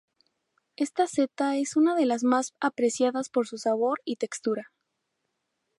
Esta seta es una de las más apreciadas por su sabor y textura.